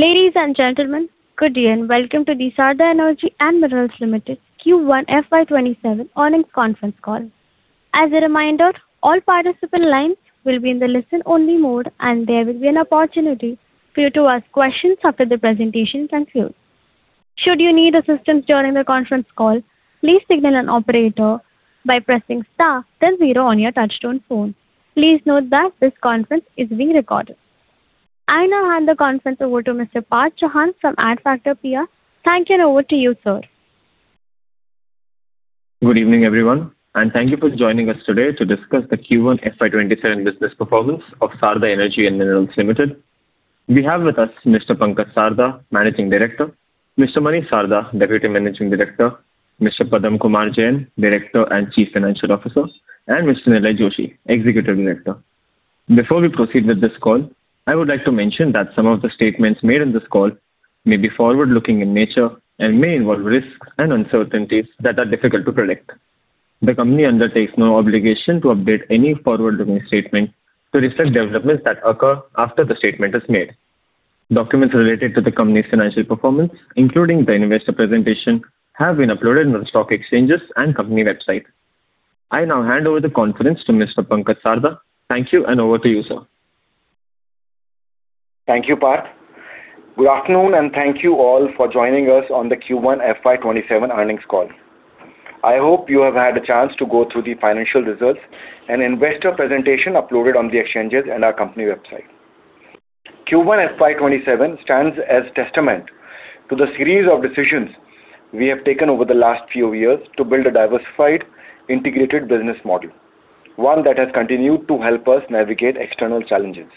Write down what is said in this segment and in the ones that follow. Ladies and gentlemen, good day and welcome to the Sarda Energy & Minerals Ltd Q1 FY 2027 earnings conference call. As a reminder, all participant lines will be in the listen only mode and there will be an opportunity for you to ask questions after the presentation concludes. Should you need assistance during the conference call, please signal an operator by pressing star then zero on your touchtone phone. Please note that this conference is being recorded. I now hand the conference over to Mr. Parth Chauhan from Adfactors PR. Thank you, and over to you, sir. Good evening, everyone, thank you for joining us today to discuss the Q1 FY 2027 business performance of Sarda Energy & Minerals Ltd. We have with us Mr. Pankaj Sarda, Managing Director. Mr. Manish Sarda, Deputy Managing Director. Mr. Padam Kumar Jain, Director and Chief Financial Officer, and Mr. Nilay Joshi, Executive Director. Before we proceed with this call, I would like to mention that some of the statements made on this call may be forward-looking in nature and may involve risks and uncertainties that are difficult to predict. The company undertakes no obligation to update any forward-looking statement to reflect developments that occur after the statement is made. Documents related to the company's financial performance, including the investor presentation, have been uploaded on stock exchanges and company website. I now hand over the conference to Mr. Pankaj Sarda. Thank you, and over to you, sir. Thank you, Parth. Good afternoon and thank you all for joining us on the Q1 FY 2027 earnings call. I hope you have had a chance to go through the financial results and investor presentation uploaded on the exchanges and our company website. Q1 FY 2027 stands as testament to the series of decisions we have taken over the last few years to build a diversified, integrated business model, one that has continued to help us navigate external challenges.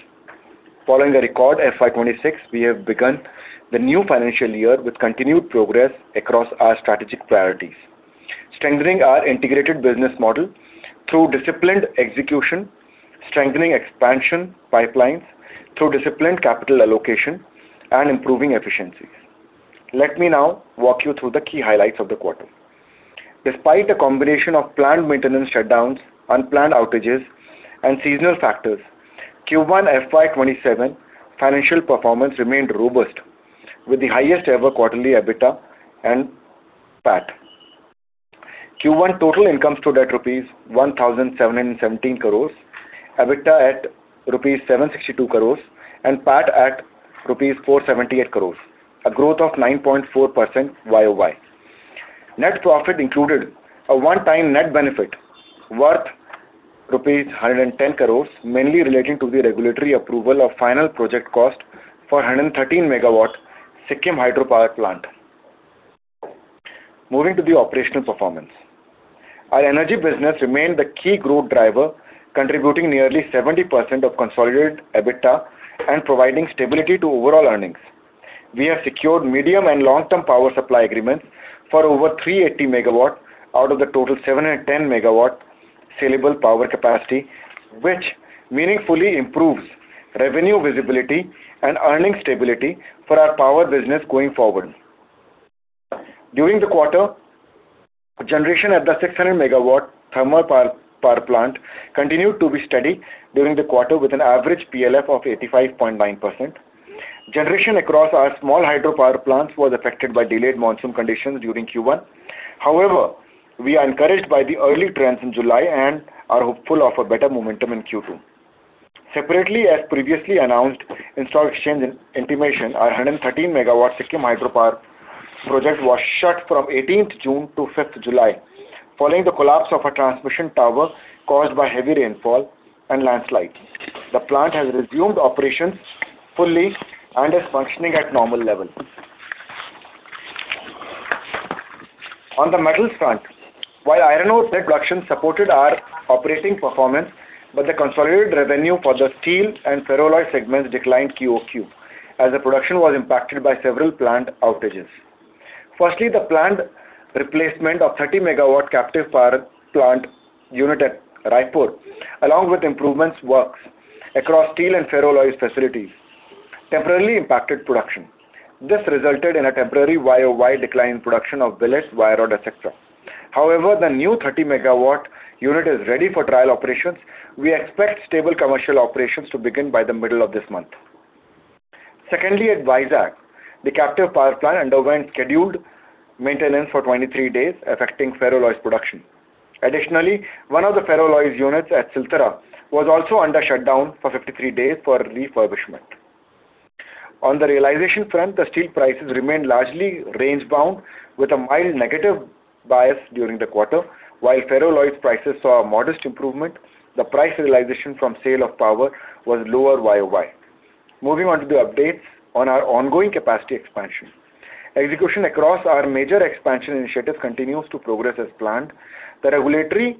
Following a record FY 2026, we have begun the new financial year with continued progress across our strategic priorities. Strengthening our integrated business model through disciplined execution, strengthening expansion pipelines through disciplined capital allocation, and improving efficiencies. Let me now walk you through the key highlights of the quarter. Despite a combination of planned maintenance shutdowns, unplanned outages, and seasonal factors, Q1 FY 2027 financial performance remained robust with the highest ever quarterly EBITDA and PAT. Q1 total income stood at rupees 1,717 crore, EBITDA at rupees 762 crore and PAT at rupees 478 crore, a growth of 9.4% YoY. Net profit included a one-time net benefit worth rupees 110 crore, mainly relating to the regulatory approval of final project cost for 113 MW Sikkim hydropower plant. Moving to the operational performance. Our energy business remained the key growth driver, contributing nearly 70% of consolidated EBITDA and providing stability to overall earnings. We have secured medium and long-term power supply agreements for over 380 MW out of the total 710 MW saleable power capacity, which meaningfully improves revenue visibility and earning stability for our power business going forward. During the quarter, generation at the 600 MW thermal power plant continued to be steady during the quarter with an average PLF of 85.9%. Generation across our small hydropower plants was affected by delayed monsoon conditions during Q1. However, we are encouraged by the early trends in July and are hopeful of a better momentum in Q2. Separately, as previously announced in stock exchange intimation, our 113 MW Sikkim hydropower project was shut from 18th June-5th July, following the collapse of a transmission tower caused by heavy rainfall and landslides. The plant has resumed operations fully and is functioning at normal levels. On the metals front, while iron ore production supported our operating performance, the consolidated revenue for the steel and ferroalloy segments declined QoQ as the production was impacted by several plant outages. Firstly, the plant replacement of 30 MW captive power plant unit at Raipur, along with improvements works across steel and ferroalloy facilities, temporarily impacted production. This resulted in a temporary YoY decline in production of billets, wire rod, etc. However, the new 30 MW unit is ready for trial operations. We expect stable commercial operations to begin by the middle of this month. Secondly, at Vizag, the captive power plant underwent scheduled maintenance for 23 days, affecting ferroalloy's production. Additionally, one of the ferroalloy's units at Siltara was also under shutdown for 53 days for refurbishment. On the realization front, the steel prices remained largely range-bound with a mild negative bias during the quarter. While ferroalloy's prices saw a modest improvement, the price realization from sale of power was lower YoY. Moving on to the updates on our ongoing capacity expansion. Execution across our major expansion initiatives continues to progress as planned. The regulatory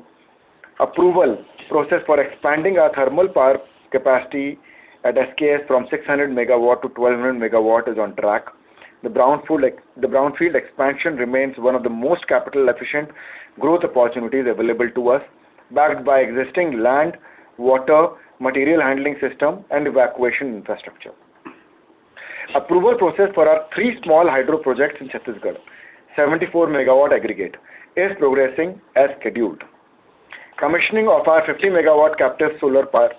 approval process for expanding our thermal power capacity at SKS from 600 MW-1,200 MW is on track. The brownfield expansion remains one of the most capital efficient growth opportunities available to us, backed by existing land, water, material handling system, and evacuation infrastructure. Approval process for our three small hydro projects in Chhattisgarh, 74 MW aggregate, is progressing as scheduled. Commissioning of our 50 MW captive solar power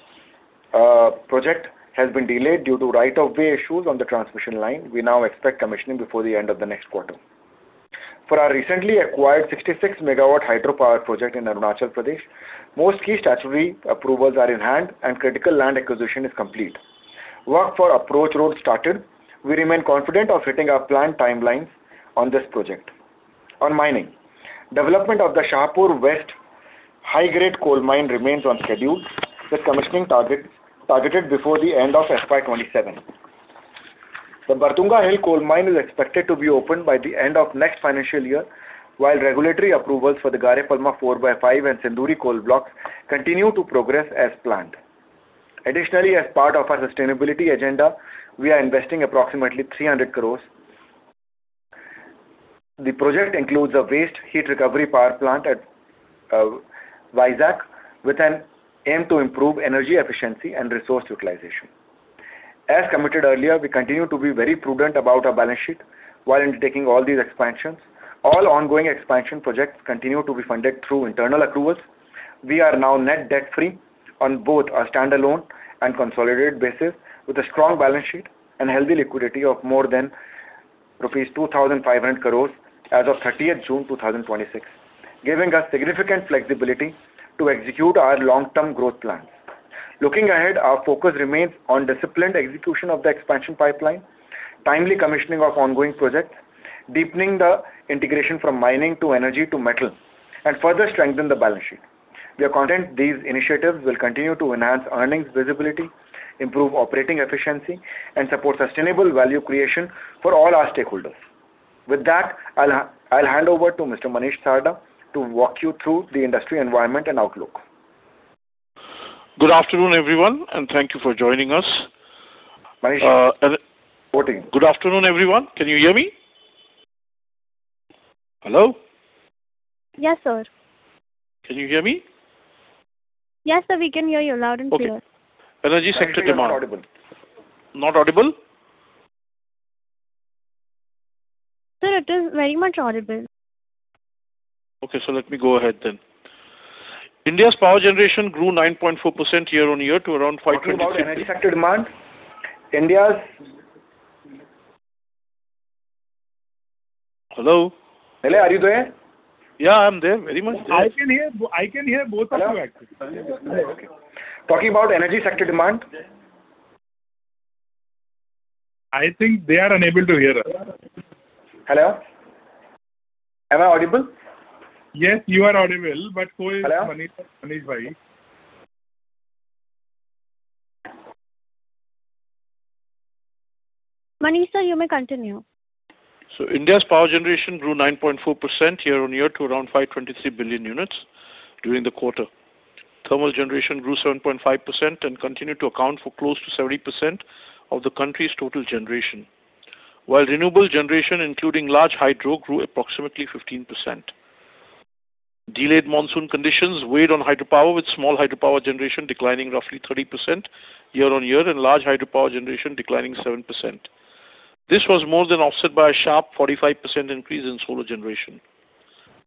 project has been delayed due to right of way issues on the transmission line. We now expect commissioning before the end of the next quarter. For our recently acquired 66 MW hydropower project in Arunachal Pradesh, most key statutory approvals are in hand and critical land acquisition is complete. Work for approach road started. We remain confident of hitting our planned timelines on this project. On mining, development of the Shahpur West high grade coal mine remains on schedule, with commissioning targeted before the end of FY 2027. The Bartunga Hill coal mine is expected to be opened by the end of next financial year, while regulatory approvals for the Gare Palma IV/5 and Senduri coal blocks continue to progress as planned. Additionally, as part of our sustainability agenda, we are investing approximately 300 crore. The project includes a waste heat recovery power plant at Vizag with an aim to improve energy efficiency and resource utilization. As committed earlier, we continue to be very prudent about our balance sheet while undertaking all these expansions. All ongoing expansion projects continue to be funded through internal accruals. We are now net debt-free on both our standalone and consolidated basis, with a strong balance sheet and healthy liquidity of more than rupees 2,500 crore as of 30th June 2026, giving us significant flexibility to execute our long-term growth plans. Looking ahead, our focus remains on disciplined execution of the expansion pipeline, timely commissioning of ongoing projects, deepening the integration from mining to energy to metal, and further strengthen the balance sheet. We are content these initiatives will continue to enhance earnings visibility, improve operating efficiency, and support sustainable value creation for all our stakeholders. With that, I'll hand over to Mr. Manish Sarda to walk you through the industry environment and outlook. Good afternoon, everyone. Thank you for joining us. Good afternoon, everyone. Can you hear me? Hello? Yes, sir. Can you hear me? Yes, sir, we can hear you loud and clear. Okay. Energy sector demand. I think you're audible. Not audible? Sir, it is very much audible. Okay, let me go ahead then. India's power generation grew 9.4% year-on-year to around five- Talking about energy sector demand, India's- Hello? Hello, are you there? Yeah, I'm there very much. I can hear both of you actually. Hello? Talking about energy sector demand. I think they are unable to hear us. Hello? Am I audible? Yes, you are audible. Who is? Hello? [Manish bhai]. Manish, sir, you may continue. India's power generation grew 9.4% year-on-year to around 523 billion units during the quarter. Thermal generation grew 7.5% and continued to account for close to 70% of the country's total generation. While renewable generation, including large hydro, grew approximately 15%. Delayed monsoon conditions weighed on hydropower, with small hydropower generation declining roughly 30% year-on-year and large hydropower generation declining 7%. This was more than offset by a sharp 45% increase in solar generation.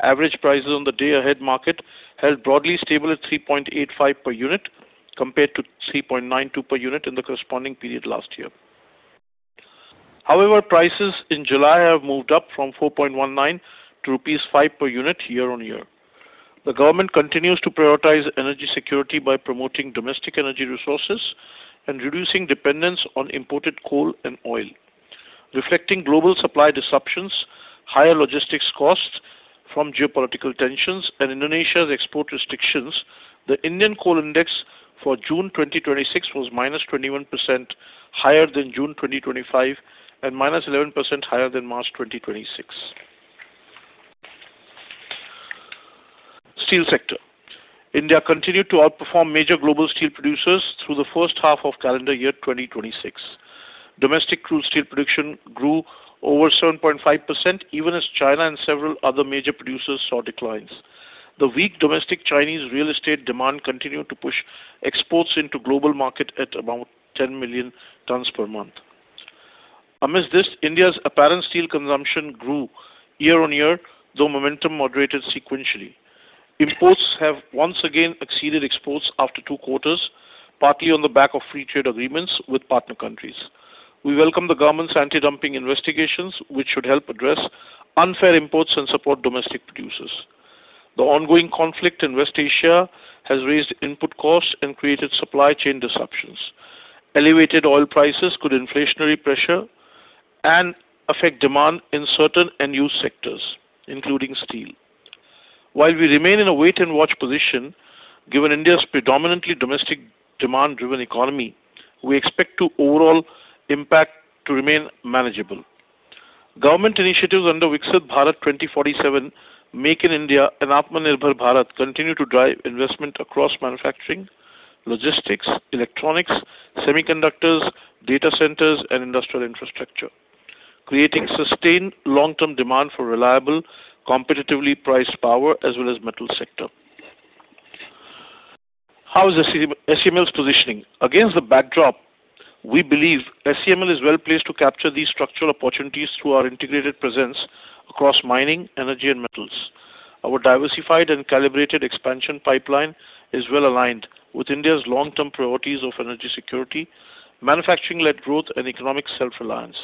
Average prices on the day ahead market held broadly stable at 3.85 per unit, compared to 3.92 per unit in the corresponding period last year. However, prices in July have moved up from 4.19-5 rupees per unit year-on-year. The government continues to prioritize energy security by promoting domestic energy resources and reducing dependence on imported coal and oil. Reflecting global supply disruptions, higher logistics costs from geopolitical tensions and Indonesia's export restrictions, the National Coal Index for June 2026 was -21% higher than June 2025 and -11% higher than March 2026. Steel sector. India continued to outperform major global steel producers through the first half of calendar year 2026. Domestic crude steel production grew over 7.5%, even as China and several other major producers saw declines. The weak domestic Chinese real estate demand continued to push exports into global market at about 10 million tons per month. Amidst this, India's apparent steel consumption grew year-on-year, though momentum moderated sequentially. Imports have once again exceeded exports after two quarters, partly on the back of free trade agreements with partner countries. We welcome the government's anti-dumping investigations, which should help address unfair imports and support domestic producers. The ongoing conflict in West Asia has raised input costs and created supply chain disruptions. Elevated oil prices could inflationary pressure and affect demand in certain end-use sectors, including steel. While we remain in a wait-and-watch position, given India's predominantly domestic demand-driven economy, we expect the overall impact to remain manageable. Government initiatives under Viksit Bharat 2047, Make in India, and Atmanirbhar Bharat continue to drive investment across manufacturing, logistics, electronics, semiconductors, data centers, and industrial infrastructure, creating sustained long-term demand for reliable, competitively priced power as well as metal sector. How is the SEML's positioning? Against the backdrop, we believe SEML is well-placed to capture these structural opportunities through our integrated presence across mining, energy, and metals. Our diversified and calibrated expansion pipeline is well aligned with India's long-term priorities of energy security, manufacturing-led growth, and economic self-reliance.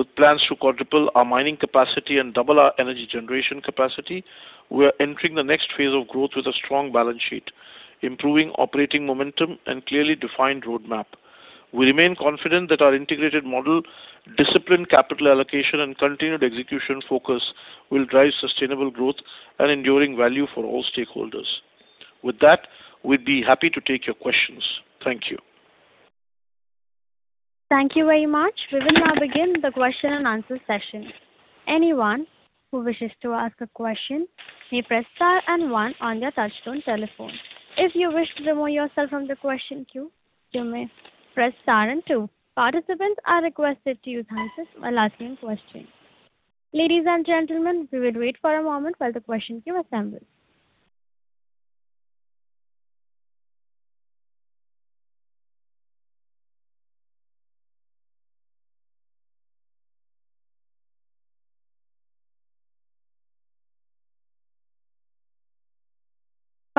With plans to quadruple our mining capacity and double our energy generation capacity, we are entering the next phase of growth with a strong balance sheet, improving operating momentum, and clearly defined roadmap. We remain confident that our integrated model, disciplined capital allocation, and continued execution focus will drive sustainable growth and enduring value for all stakeholders. With that, we'd be happy to take your questions. Thank you. Thank you very much. We will now begin the question and answer session. Anyone who wishes to ask a question may press star one on your touchtone telephone. If you wish to remove yourself from the question queue, you may press star two. Participants are requested to use answers while asking questions. Ladies and gentlemen, we will wait for a moment while the question queue assembles.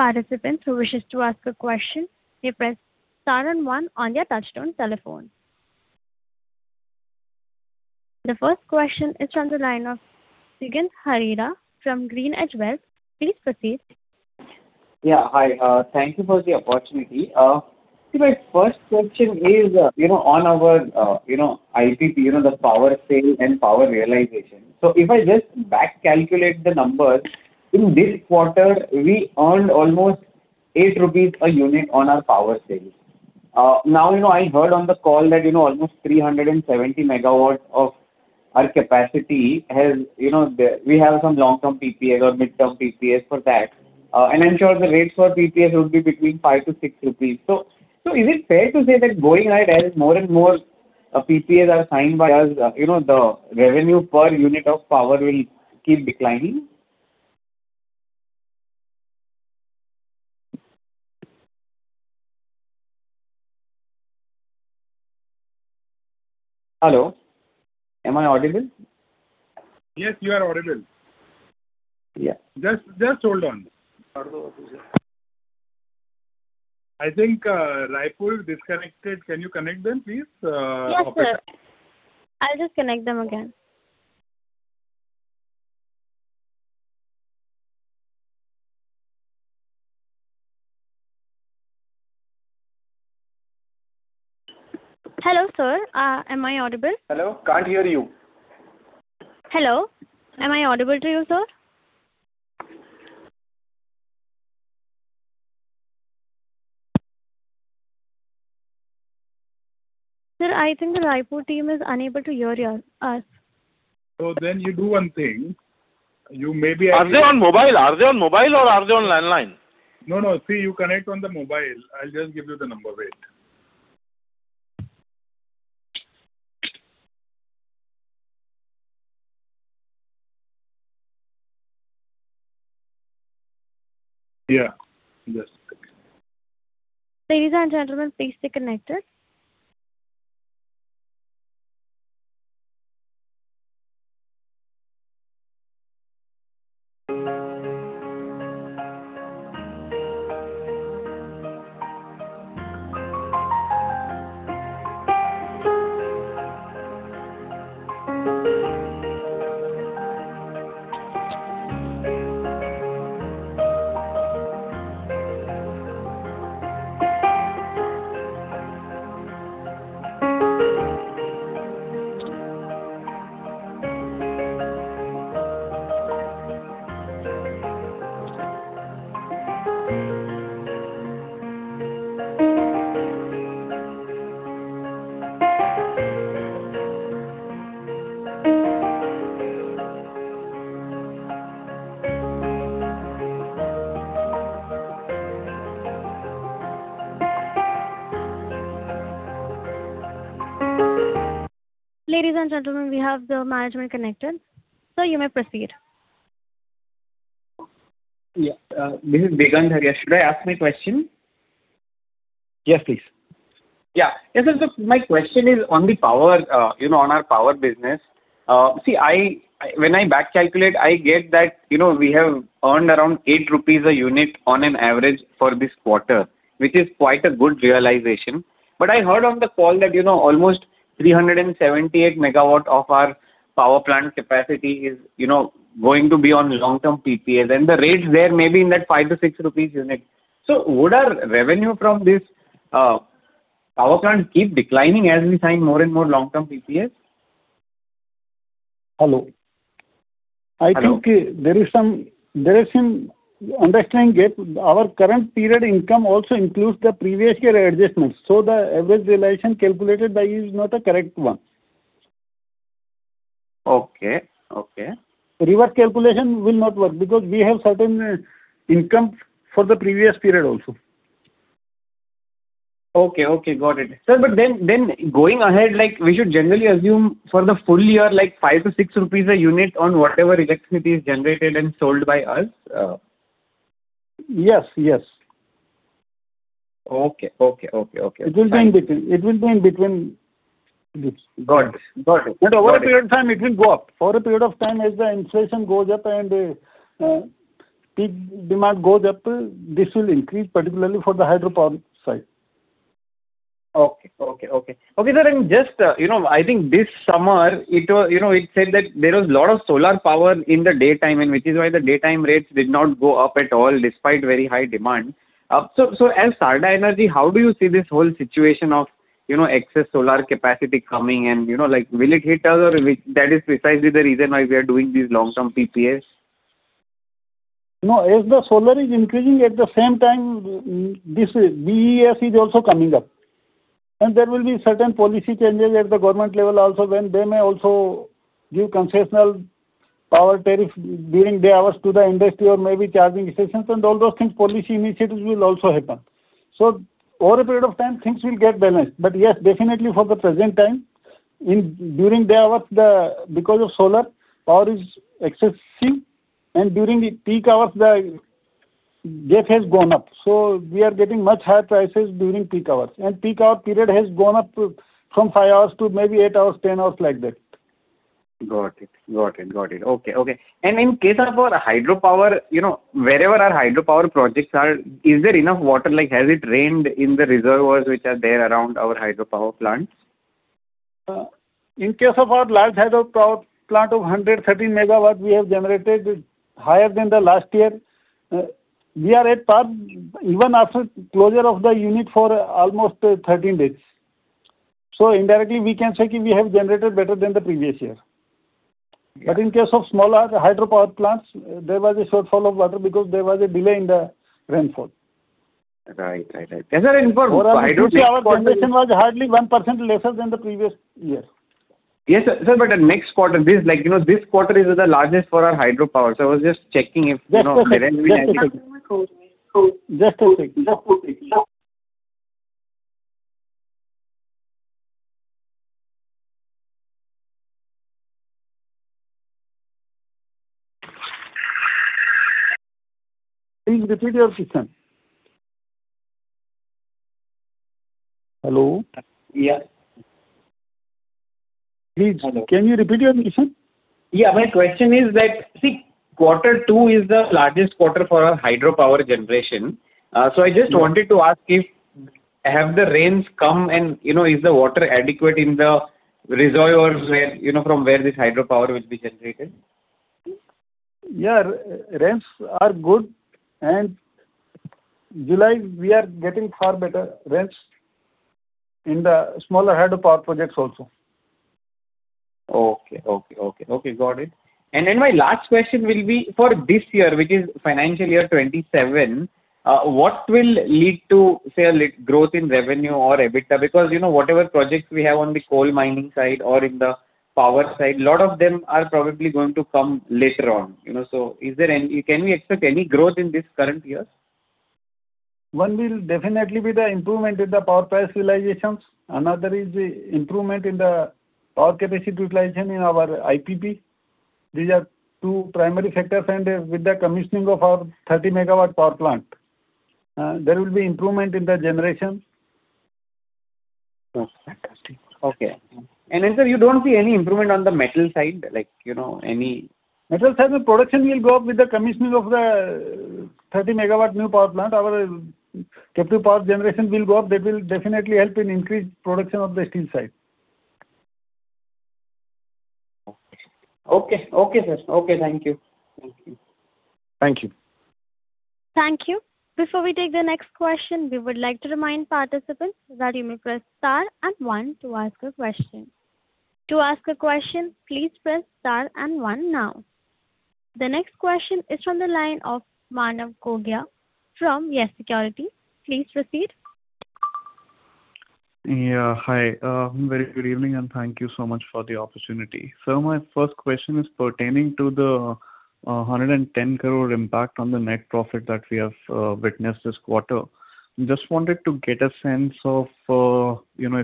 Participants who wish to ask a question may press star one on their touchtone telephone. The first question is from the line of Digant Haria from GreenEdge Wealth. Please proceed. Yeah, hi. Thank you for the opportunity. See, my first question is on our IPP, the power sale, and power realization. If I just back calculate the numbers, in this quarter, we earned almost 8 rupees a unit on our power sale. Now, I heard on the call that almost 370 MW of our capacity, we have some long-term PPAs or mid-term PPAs for that, and I'm sure the rates for PPAs would be between 5-6 rupees. Is it fair to say that going ahead, as more and more PPAs are signed by us, the revenue per unit of power will keep declining? Hello, am I audible? Yes, you are audible. Yeah. Just hold on. I think [Raipur] disconnected. Can you connect them, please? Yes, sir. I'll just connect them again. Hello, sir. Am I audible? Hello. Can't hear you. Hello. Am I audible to you, sir? Sir, I think the [Raipur] team is unable to hear us. You do one thing. Are they on mobile or are they on landline? You connect on the mobile. I'll just give you the number. Wait. Yeah. Ladies and gentlemen, please stay connected. Ladies and gentlemen, we have the management connected. Sir, you may proceed. This is Digant Haria. Should I ask my question? Yes, please. Sir, my question is on our power business. When I back calculate, I get that we have earned around 8 rupees a unit on an average for this quarter, which is quite a good realization. I heard on the call that almost 378 MW of our power plant capacity is going to be on long-term PPAs, and the rates there may be in that 5-6 rupees a unit. Would our revenue from this power plant keep declining as we sign more and more long-term PPAs? Hello. Hello. I think there is some understanding gap. Our current period income also includes the previous year adjustments, the average realization calculated by you is not a correct one. Okay. Reverse calculation will not work because we have certain income for the previous period also. Okay. Got it. Sir, going ahead, we should generally assume for the full year, 5-6 rupees a unit on whatever electricity is generated and sold by us? Yes. Okay. It will be in between this. Got it. Over a period of time, it will go up. Over a period of time, as the inflation goes up and peak demand goes up, this will increase, particularly for the hydropower side. Okay. Sir, I think this summer, it said that there was a lot of solar power in the daytime, which is why the daytime rates did not go up at all, despite very high demand. As Sarda Energy, how do you see this whole situation of excess solar capacity coming and will it hit us? Or that is precisely the reason why we are doing these long-term PPAs? No, as the solar is increasing, at the same time, this BESS is also coming up. There will be certain policy changes at the government level also, when they may also give concessional power tariff during day hours to the industry or maybe charging sessions and all those things, policy initiatives will also happen. Over a period of time, things will get balanced. Yes, definitely for the present time, during day hours, because of solar, power is excessive, and during the peak hours, the gap has gone up. We are getting much higher prices during peak hours. Peak hour period has gone up from five hours to maybe eight hours, 10 hours, like that. Got it. Okay. In case of our hydropower, wherever our hydropower projects are, is there enough water? Has it rained in the reservoirs which are there around our hydropower plants? In case of our large hydropower plant of 113 MW, we have generated higher than the last year. We are at par even after closure of the unit for almost 13 days. Indirectly, we can say we have generated better than the previous year. In case of smaller hydropower plants, there was a shortfall of water because there was a delay in the rainfall. Right. Sir, in for hydro- Our Q2 generation was hardly 1% lesser than the previous year. Yes, sir. The next quarter, this quarter is the largest for our hydropower. I was just checking if there has been anything. Just a second. Please repeat your question. Hello? Yeah. Please, can you repeat your question? Yeah. My question is that, see, quarter two is the largest quarter for our hydropower generation. I just wanted to ask if, have the rains come and is the water adequate in the reservoirs from where this hydropower will be generated? Rains are good. July, we are getting far better rains in the smaller hydropower projects also. Okay. Got it. My last question will be for this year, which is FY 2027, what will lead to growth in revenue or EBITDA? Whatever projects we have on the coal mining side or in the power side, a lot of them are probably going to come later on. Can we expect any growth in this current year? One will definitely be the improvement in the power price realizations. Another is the improvement in the power capacity utilization in our IPP. These are two primary factors. With the commissioning of our 30 MW power plant, there will be improvement in the generation. Fantastic. Okay. Sir, you don't see any improvement on the metal side? Metal side, the production will go up with the commissioning of the 30 MW new power plant. Our captive power generation will go up. That will definitely help in increased production of the steel side. Okay, sir. Okay, thank you. Thank you. Thank you. Before we take the next question, we would like to remind participants that you may press star and one to ask a question. To ask a question, please press star and one now. The next question is from the line of Manav Gogia from YES SECURITIES. Please proceed. Hi. A very good evening and thank you so much for the opportunity. My first question is pertaining to the 110 crore impact on the net profit that we have witnessed this quarter. Just wanted to get a sense of, if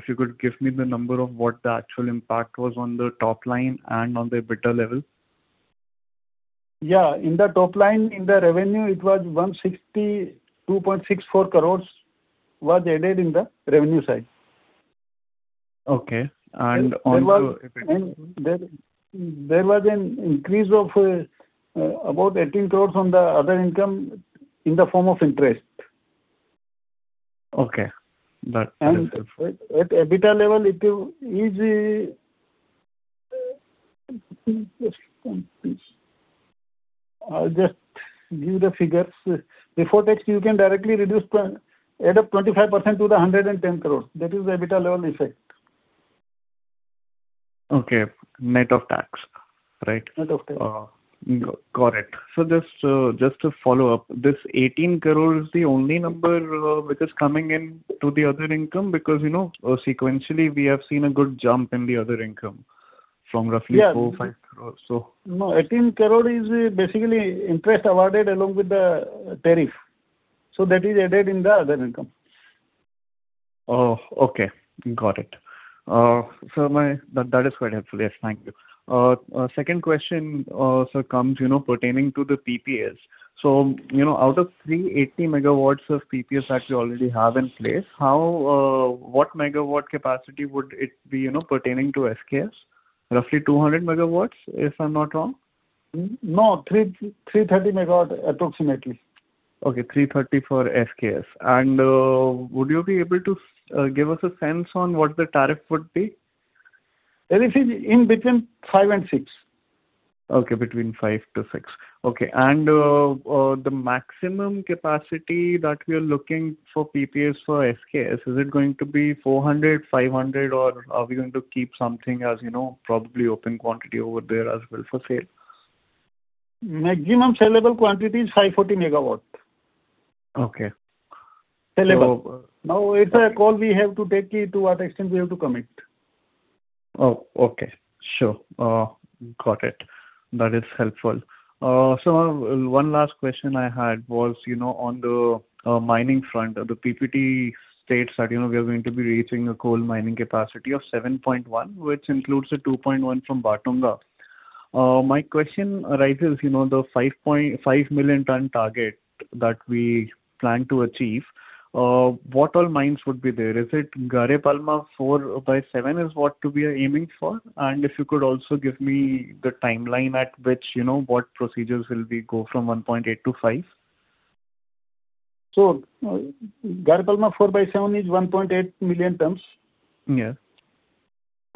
you could give me the number of what the actual impact was on the top line and on the EBITDA level? In the top line, in the revenue, it was 162.64 crore was added in the revenue side. Okay. There was an increase of about 18 crore on the other income in the form of interest. Okay. That is helpful. At EBITDA level, it is Just give the figures. Before tax, you can directly add up 25% to the 110 crore. That is the EBITDA level effect. Okay. Net of tax, right? Net of tax. Got it. Just to follow up, this 18 crore the only number which is coming in to the other income, because sequentially we have seen a good jump in the other income from roughly 4-5 crore or so. No, 18 crore is basically interest awarded along with the tariff. That is added in the other income. Oh, okay. Got it. That is quite helpful. Yes. Thank you. Second question, sir, comes pertaining to the PPA. Out of 380 MW of PPA that you already have in place, what megawatt capacity would it be pertaining to SKS? Roughly 200 MW, if I'm not wrong? No, 330 MW approximately. Okay, 330 for SKS. Would you be able to give us a sense on what the tariff would be? Tariff is in between 5-6. Okay, between 5-6. Okay. The maximum capacity that we are looking for PPAs for SKS, is it going to be 400 MW, 500 MW, or are we going to keep something as probably open quantity over there as well for sale? Maximum sellable quantity is 540 MW. Okay. It's a call we have to take to what extent we have to commit. Oh, okay. Sure. Got it. That is helpful. One last question I had was on the mining front, the PPT states that we are going to be reaching a coal mining capacity of 7.1, which includes a 2.1 from Bartunga. My question arises, the 5 million ton target that we plan to achieve, what all mines would be there? Is it Gare Palma IV/7 is what we are aiming for? And if you could also give me the timeline at which what procedures will we go from 1.8 million to 5 million tons. Gare Palma IV/7 is 1.8 million tons. Yes.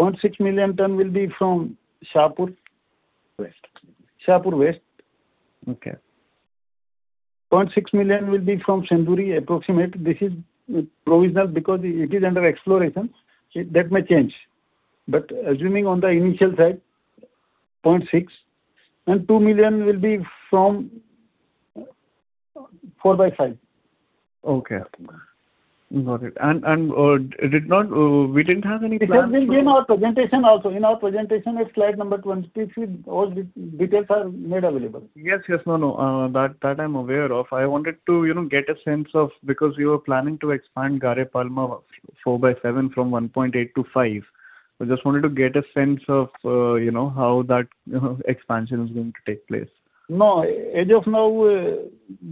0.6 million ton will be from Shahpur. Shahpur West. Okay. 0.6 million will be from Senduri approximate. This is provisional because it is under exploration. That may change. But assuming on the initial side, 0.6 and 2 million will be from IV/5. Okay. Got it. We didn't have any plans- This has been in our presentation also. In our presentation at slide number 23, all details are made available. Yes. No. That I'm aware of. I wanted to get a sense of. You are planning to expand Gare Palma IV/7 from 1.8 million tons-5 million tons. I just wanted to get a sense of how that expansion is going to take place. No. As of now,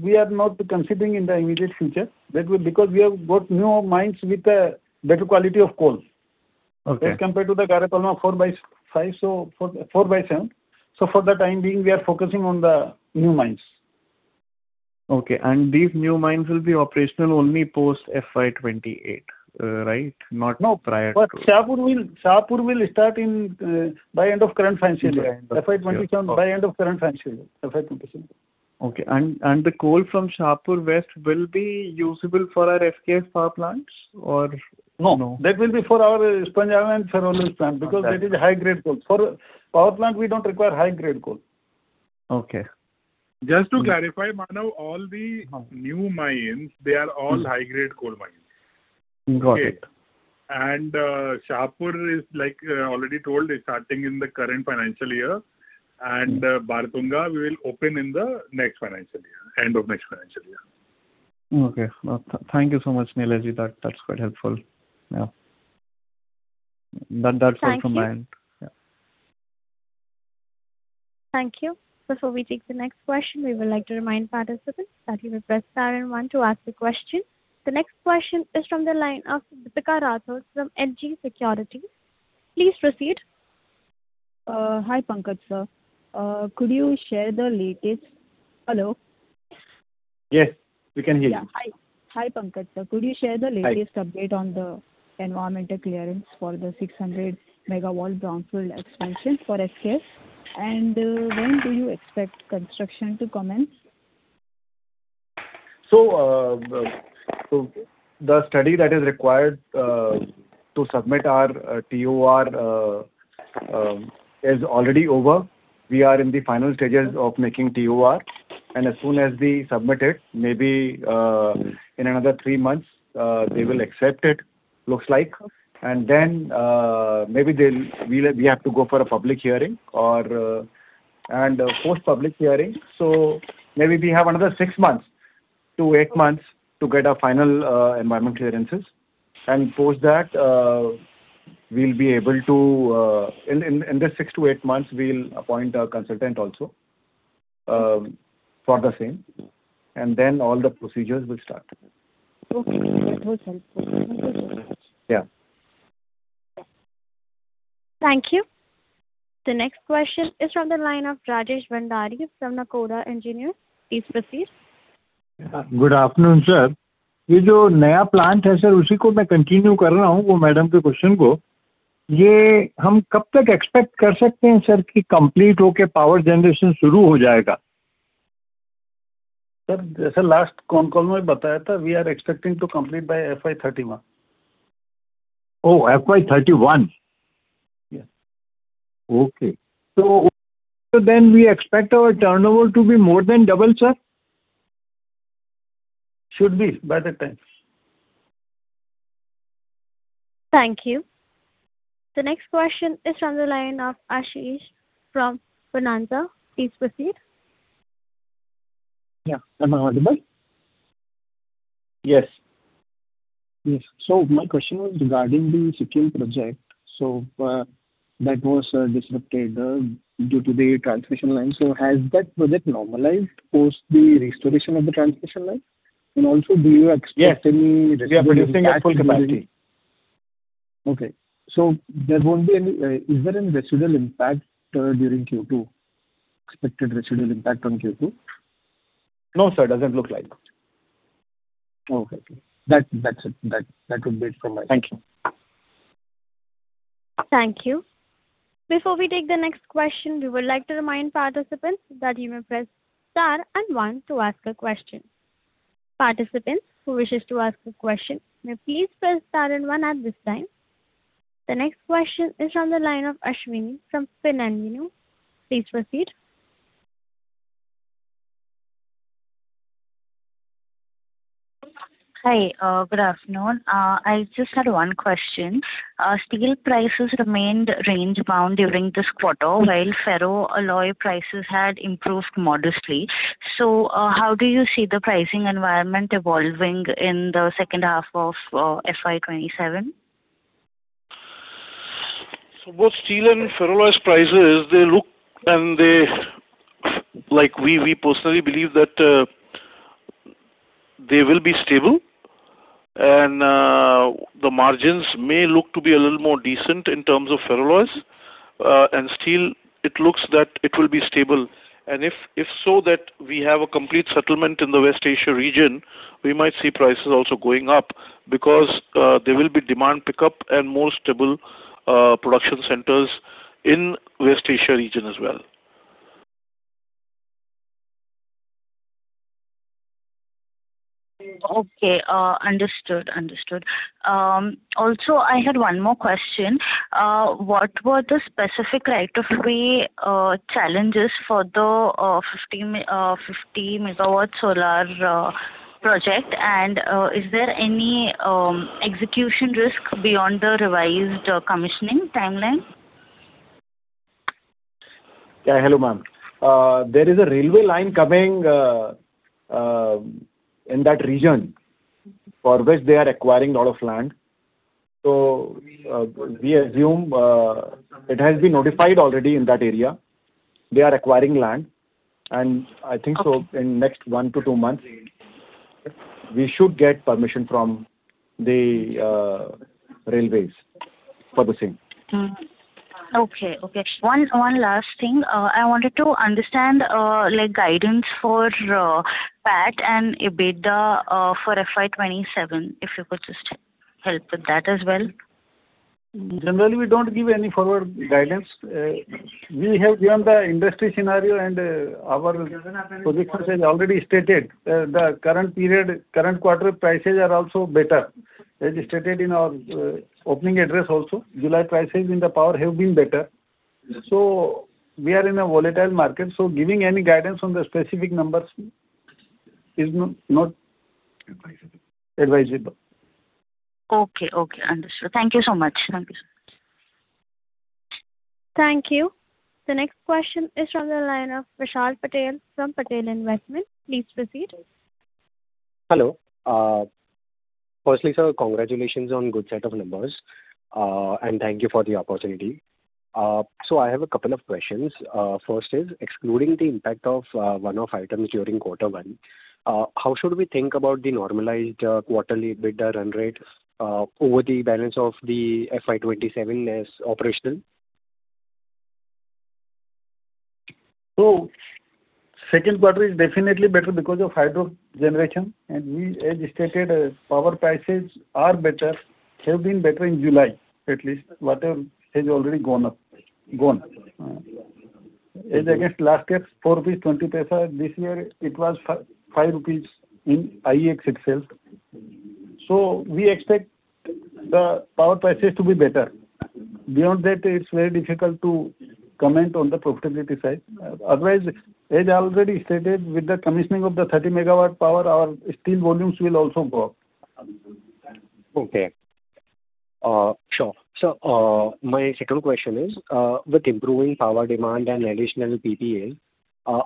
we are not considering in the immediate future. That is because we have got new mines with a better quality of coal. Okay. As compared to the Gare Palma IV/5. For the time being, we are focusing on the new mines. Okay. These new mines will be operational only post FY 2028, right? No. Shahpur will start by end of current financial year. by end of current financial year, FY 2026. Okay. The coal from Shahpur West will be usable for our SKS power plants or no? No. That will be for our steel and ferroalloy plants, because that is high grade coal. For power plant, we don't require high grade coal. Okay. Just to clarify, Manav, all the new mines, they are all high-grade coal mines. Got it. Shahpur is, like I already told, is starting in the current financial year, and Bartunga we will open in the next financial year, end of next financial year. Okay. Thank you so much, Nilay. That's quite helpful. That's all from my end. Thank you. Before we take the next question, we would like to remind participants that you may press star and one to ask the question. The next question is from the line of [Deepika Rathore] from N G Securities. Please proceed. Hi, Pankaj, sir. Could you share the latest. Yes, we can hear you. Hi, Pankaj, sir. Could you share the latest update on the environmental clearance for the 600 MW brownfield expansion for SKS, when do you expect construction to commence? The study that is required to submit our TOR is already over. We are in the final stages of making TOR. As soon as we submit it, maybe in another three months, they will accept it, looks like. Then, maybe we have to go for a public hearing or post public hearing. Maybe we have another six to eight months to get our final environment clearances. Post that, in this six to eight months, we'll appoint a consultant also for the same. All the procedures will start. Okay. That was helpful. Thank you so much. Yeah. Thank you. The next question is from the line of Rajesh Bhandari from Nakoda Engineers. Please proceed. Good afternoon, sir. We are expecting to complete by FY 2031. Oh, FY 2031? Yes. Okay. We expect our turnover to be more than double, sir? Should be by that time. Thank you. The next question is from the line of [Ashish] from Bonanza. Please proceed. Yeah. Am I audible? Yes. Yes. My question was regarding the Sikkim project. That was disrupted due to the transmission line. Has that project normalized post the restoration of the transmission line? Also, do you expect any. Yes. We are producing at full capacity. Okay. Is there any residual impact during Q2, expected residual impact on Q2? No, sir. Doesn't look like. Okay. That's it. That would be it from my end. Thank you. Thank you. Before we take the next question, we would like to remind participants that you may press star and one to ask a question. Participant who wishes to ask a question, may please press star and one at this time. The next question is from the line of [Ashwini from FinMin]. Please proceed. Hi. Good afternoon. I just had one question. Steel prices remained range-bound during this quarter, while ferroalloy prices had improved modestly. How do you see the pricing environment evolving in the second half of FY 2027? Both steel and ferroalloy prices, we personally believe that they will be stable, and the margins may look to be a little more decent in terms of ferroalloy. Steel, it looks that it will be stable. If so that we have a complete settlement in the West Asia region, we might see prices also going up because there will be demand pickup and more stable production centers in West Asia region as well. Okay. Understood. Also, I had one more question. What were the specific right-of-way challenges for the 50 MW solar project? Is there any execution risk beyond the revised commissioning timeline? Yeah. Hello, ma'am. There is a railway line coming in that region, for which they are acquiring lot of land. We assume it has been notified already in that area. They are acquiring land, I think so in next one to two months, we should get permission from the railways for the same. Okay. One last thing. I wanted to understand guidance for PAT and EBITDA for FY 2027, if you could just help with that as well. Generally, we don't give any forward guidance. We have given the industry scenario, and our position has already stated the current quarter prices are also better. As stated in our opening address also, July prices in the power have been better. We are in a volatile market, so giving any guidance on the specific numbers is not advisable. Okay. Understood. Thank you so much. Thank you. The next question is from the line of Vishal Patel from Patel Investment. Please proceed. Hello. Firstly, sir, congratulations on good set of numbers, and thank you for the opportunity. I have a couple of questions. First is, excluding the impact of one-off items during quarter one, how should we think about the normalized quarterly EBITDA run rate over the balance of the FY 2027 as operational? Second quarter is definitely better because of hydro generation. We, as stated, power prices are better, have been better in July at least. Water has already gone up. As against last year's 4.20, this year it was 5 rupees in IEX itself. We expect the power prices to be better. Beyond that, it's very difficult to comment on the profitability side. Otherwise, as already stated, with the commissioning of the 30 MW power, our steel volumes will also go up. Okay. Sure. My second question is, with improving power demand and additional PPA,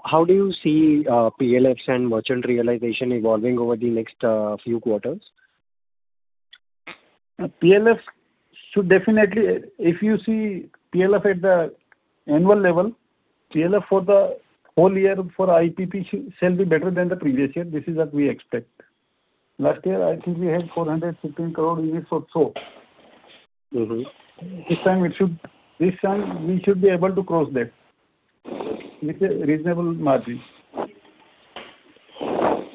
how do you see PLFs and merchant realization evolving over the next few quarters? PLFs should definitely, if you see PLF at the annual level, PLF for the whole year for IPP shall be better than the previous year. This is what we expect. Last year, I think we had 415 crore units or so. This time we should be able to cross that with a reasonable margin.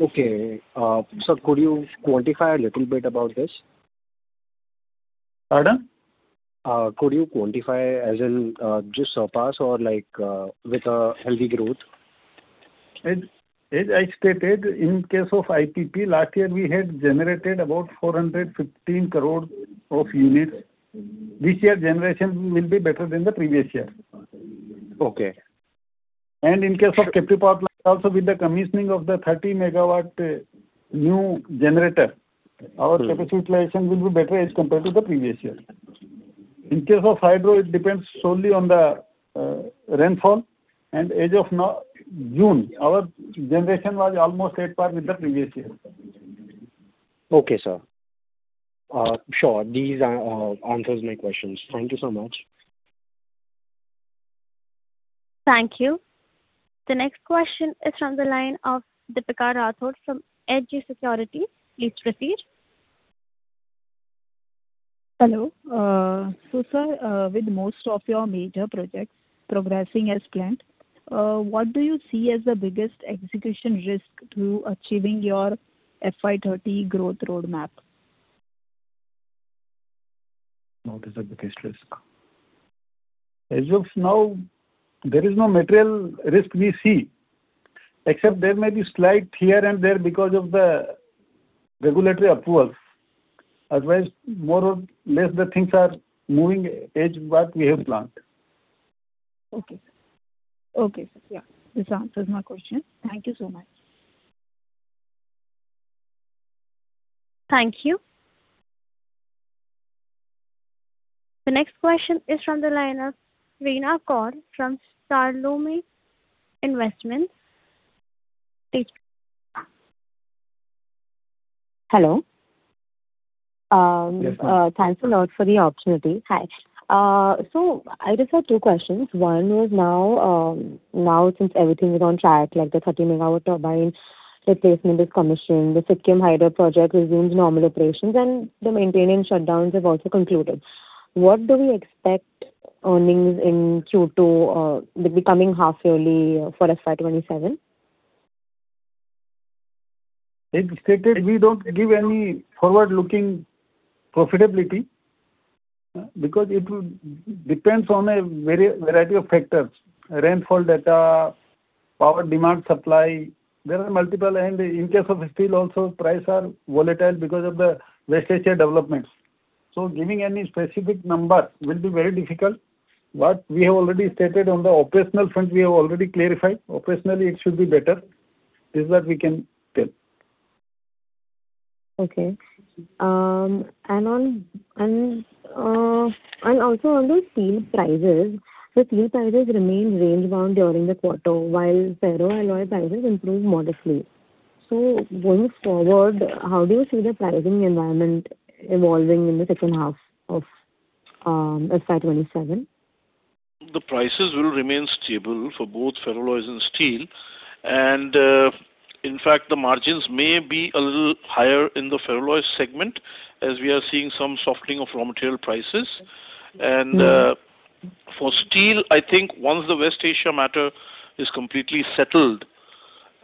Okay. Sir, could you quantify a little bit about this? Pardon? Could you quantify, as in just surpass or with a healthy growth? As I stated, in case of IPP, last year we had generated about 415 crore of units. This year generation will be better than the previous year. Okay. In case of captive power plant also, with the commissioning of the 30 MW new generator, our capacity utilization will be better as compared to the previous year. In case of hydro, it depends solely on the rainfall. As of now, June, our generation was almost at par with the previous year. Okay, sir. Sure. These answers my questions. Thank you so much. Thank you. The next question is from the line of [Deepika Rathore] from N G Securities. Please proceed. Hello. sir, with most of your major projects progressing as planned, what do you see as the biggest execution risk to achieving your FY 2030 growth roadmap? As of now, there is no material risk we see. Except there may be slight here and there because of the regulatory approvals. Otherwise, more or less the things are moving as what we have planned. Okay. Yeah. This answers my question. Thank you so much. Thank you. The next question is from the line of [Reena Kaur from Starlome Investments]. Please- Hello. Yes, ma'am. Thanks a lot for the opportunity. Hi. I just had two questions. One was now since everything is on track, like the 30 MW turbine replacement is commissioned, the Sikkim Hydro Project resumes normal operations, and the maintaining shutdowns have also concluded. What do we expect earnings in Q2 or the coming half yearly for FY 2027? As stated, we don't give any forward-looking profitability because it will depend on a variety of factors, rainfall data, power demand supply. There are multiple. In case of steel also, prices are volatile because of the West Asia developments. Giving any specific number will be very difficult, but we have already stated on the operational front, we have already clarified. Operationally, it should be better. This is what we can tell. Okay. Also on the steel prices, the steel prices remained range-bound during the quarter, while ferroalloy prices improved modestly. Going forward, how do you see the pricing environment evolving in the second half of FY 2027? The prices will remain stable for both ferroalloys and steel. In fact, the margins may be a little higher in the ferroalloy segment as we are seeing some softening of raw material prices. For steel, I think once the West Asia matter is completely settled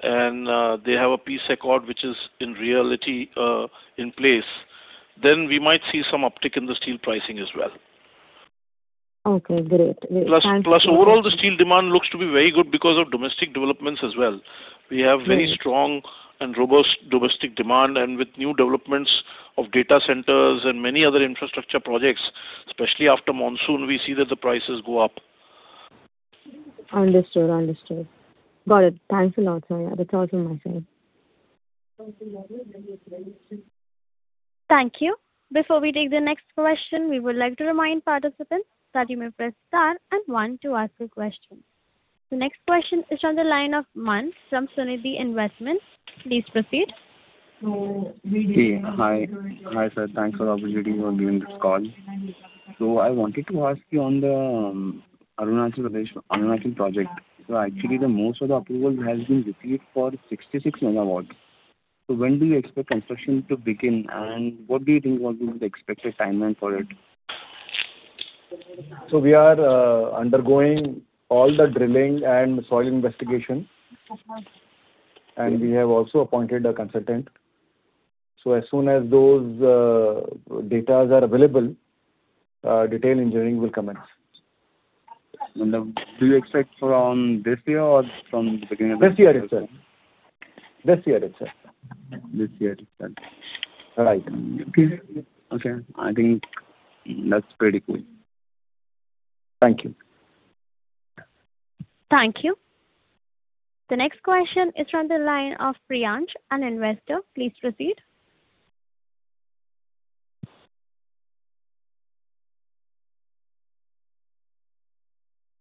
and they have a peace accord, which is in reality in place, we might see some uptick in the steel pricing as well. Okay, great. Overall the steel demand looks to be very good because of domestic developments as well. We have very strong and robust domestic demand, and with new developments of data centers and many other infrastructure projects, especially after monsoon, we see that the prices go up. Understood. Got it. Thanks a lot, sir. That's all from my side. Thank you. Before we take the next question, we would like to remind participants that you may press star and one to ask a question. The next question is on the line of [Mans] from Sunidhi Investments. Please proceed. Hey. Hi, sir. Thanks for the opportunity for giving this call. I wanted to ask you on the Arunachal project. Actually the most of the approval has been received for 66 MW. When do you expect construction to begin? What do you think would be the expected timeline for it? We are undergoing all the drilling and soil investigation. We have also appointed a consultant. As soon as those datas are available, detail engineering will commence. Do you expect from this year or from beginning of next year? This year itself. This year itself. Right. Okay. I think that's pretty clear. Thank you. Thank you. The next question is from the line of [Priyansh], an investor. Please proceed.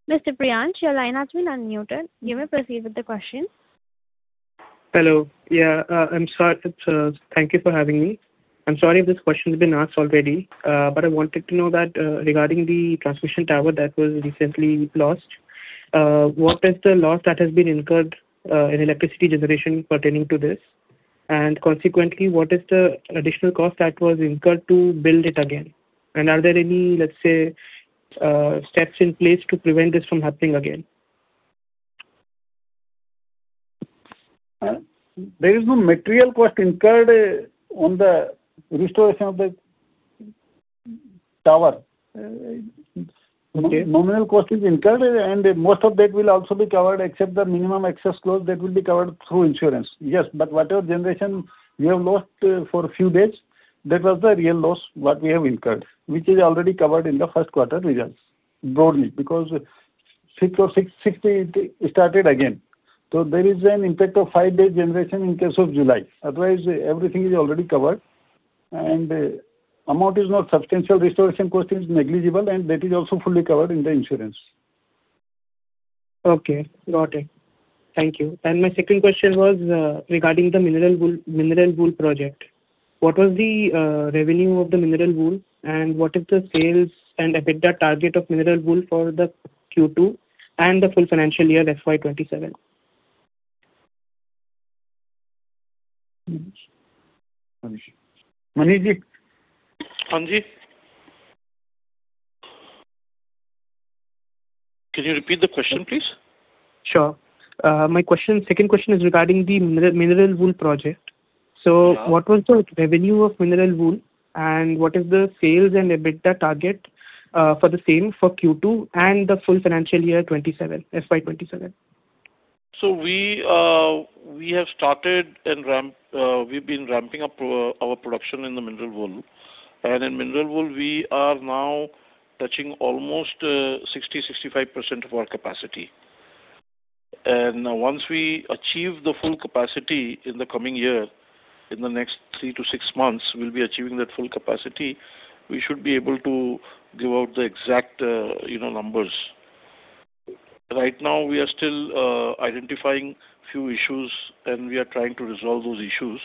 Mr. Priyansh, your line has been unmuted. You may proceed with the question. Hello. Yeah. Thank you for having me. I wanted to know that regarding the transmission tower that was recently lost, what is the loss that has been incurred in electricity generation pertaining to this? Consequently, what is the additional cost that was incurred to build it again? Are there any, let's say, steps in place to prevent this from happening again? There is no material cost incurred on the restoration of the tower. Okay. Nominal cost is incurred, and most of that will also be covered except the minimum excess cost that will be covered through insurance. Yes, whatever generation we have lost for a few days, that was the real loss what we have incurred, which is already covered in the first quarter results broadly, because 6th of June it started again. There is an impact of five days generation in case of July. Otherwise, everything is already covered. Amount is not substantial. Restoration cost is negligible, and that is also fully covered in the insurance. Okay, got it. Thank you. My second question was regarding the mineral wool project. What was the revenue of the mineral wool, and what is the sales and EBITDA target of mineral wool for the Q2 and the full financial year FY 2027? Manish? Could you repeat the question, please? Sure. My second question is regarding the mineral wool project. What was the revenue of mineral wool, and what is the sales and EBITDA target for the same for Q2 and the full financial year FY 2027? We have started and we've been ramping up our production in the mineral wool. In mineral wool, we are now touching almost 60%-65% of our capacity. Once we achieve the full capacity in the coming year, in the next three to six months, we'll be achieving that full capacity. We should be able to give out the exact numbers. Right now, we are still identifying few issues, and we are trying to resolve those issues.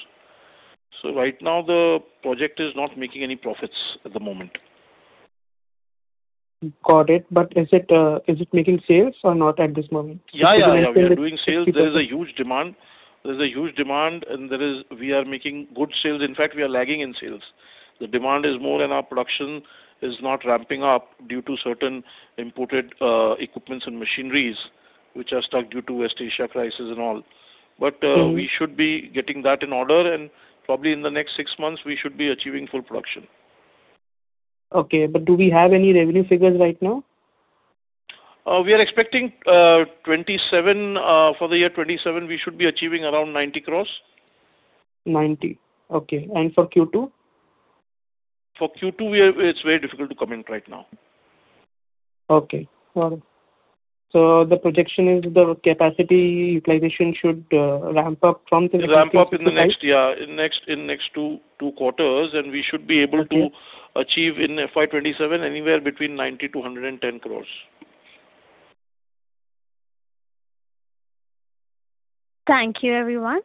Right now, the project is not making any profits at the moment. Got it. Is it making sales or not at this moment? Yeah. We're doing sales. There is a huge demand. There's a huge demand, and we are making good sales. In fact, we are lagging in sales. The demand is more than our production. It's not ramping up due to certain imported equipments and machineries, which are stuck due to West Asia crisis and all. We should be getting that in order, and probably in the next six months, we should be achieving full production. Okay. Do we have any revenue figures right now? We are expecting for the year 2027, we should be achieving around 90 crore. 90. Okay. For Q2? For Q2, it's very difficult to comment right now. Okay. Got it. The projection is the capacity utilization should ramp up. It'll ramp up in the next two quarters, and we should be able to achieve in FY 2027 anywhere between 90 crore-110 crore. Thank you, everyone.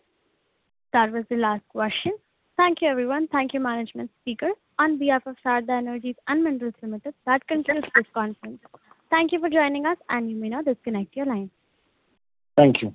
That was the last question. Thank you, everyone. Thank you, management speaker. On behalf of Sarda Energy & Minerals Ltd, that concludes this conference. Thank you for joining us, and you may now disconnect your lines. Thank you.